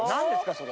それ。